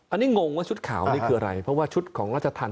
อันนี้งงว่าชุดขาวนี่คืออะไรเพราะว่าชุดของราชธรรม